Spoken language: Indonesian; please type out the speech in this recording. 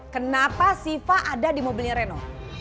kenapa siva ada di mobilnya reno